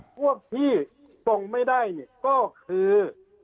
พวกที่ส่งไม่ได้ก็คือ